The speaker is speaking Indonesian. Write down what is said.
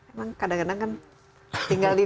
emang kadang kadang kan tinggal di